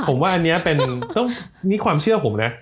ผมว่าอันนี้เป็นนี่ความเชื่อผมนะ